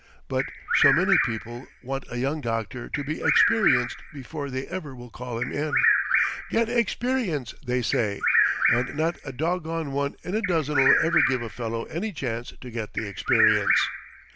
But so many people want a young doctor to be experienced before they ever will call him in! "Get experience," they say; and not a doggone one in a dozen'll ever give a fellow any chance to get the experience.